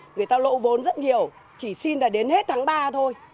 người ta lộ vốn rất nhiều chỉ xin là đến hết tháng ba thôi